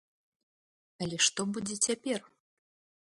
Але што будзе цяпер?